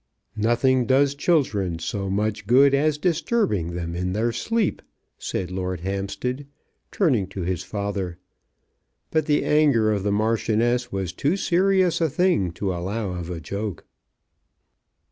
"Nothing does children so much good as disturbing them in their sleep," said Lord Hampstead, turning to his father; but the anger of the Marchioness was too serious a thing to allow of a joke.